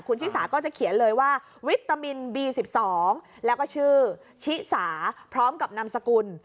ชิสาก็จะเขียนเลยว่าวิตามินบี๑๒แล้วก็ชื่อชิสาพร้อมกับนามสกุล